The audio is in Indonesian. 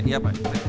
iya pak rt